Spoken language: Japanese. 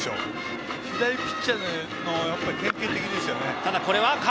左ピッチャーの典型的です。